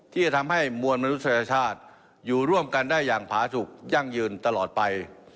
ที่จะทำให้มวลมนุษยชาติอยู่ร่วมกันได้อย่างผาสุขยั่งยืนตลอดไป